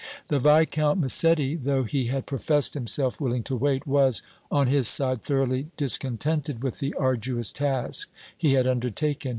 The Viscount Massetti, though he had professed himself willing to wait, was, on his side, thoroughly discontented with the arduous task he had undertaken.